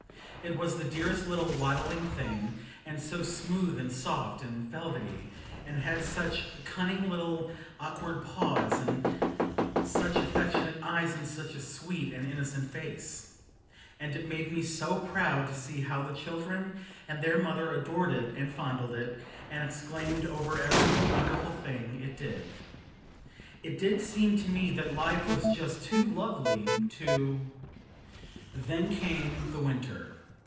It was the dearest little waddling thing, and so smooth and soft and velvety, and had such cunning little awkward paws, and such affectionate eyes, and such a sweet and innocent face; and it made me so proud to see how the children and their mother adored it, and fondled it, and exclaimed over every little wonderful thing it did. It did seem to me that life was just too lovely to Then came the winter.